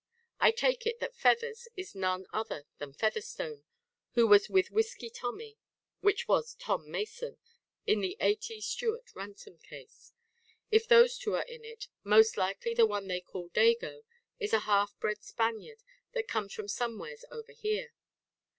I take it that 'Feathers' is none other than Featherstone who was with Whisky Tommy which was Tom Mason in the A. T. Stewart ransom case. If those two are in it, most likely the one they called the 'Dago' is a half bred Spaniard that comes from somewheres over here.